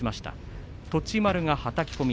栃丸がはたき込み。